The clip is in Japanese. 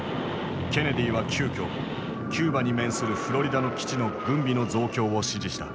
ケネディは急きょキューバに面するフロリダの基地の軍備の増強を指示した。